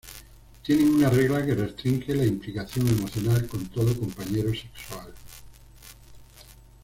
Tienen una regla que restringe la implicación emocional con todo compañero sexual.